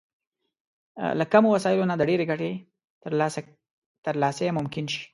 له کمو وسايلو نه د ډېرې ګټې ترلاسی ممکن شي.